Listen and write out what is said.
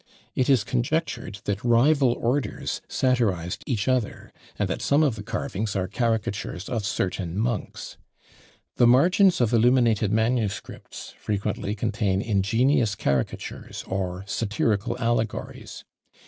It is conjectured that rival orders satirised each other, and that some of the carvings are caricatures of certain monks. The margins of illuminated manuscripts frequently contain ingenious caricatures, or satirical allegories.